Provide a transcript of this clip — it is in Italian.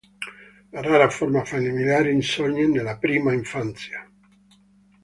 La rara forma familiare insorge nella prima infanzia.